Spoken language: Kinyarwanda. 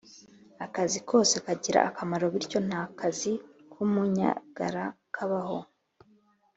Akazi kose kagira akamaro bityo nta kazi kumunyagara kabaho